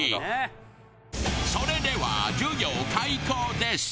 それでは授業開講です。